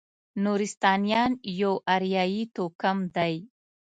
نورستانیان یو اریایي توکم دی.